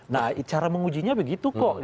nah cara mengujinya begitu kok